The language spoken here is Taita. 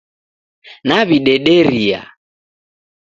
Naw'idederia